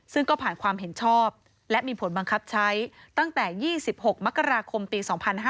ซึ่งก็ผ่านความเห็นชอบและมีผลบังคับใช้ตั้งแต่๒๖มกราคมปี๒๕๕๙